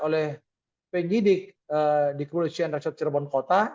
oleh penyidik di kepolisian resort cirebon kota